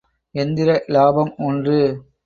எந்திர இலாபம் ஒன்று.